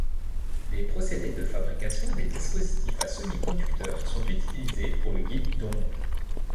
Les procédés de fabrication des dispositifs à semi-conducteurs sont utilisés pour le guide d'onde.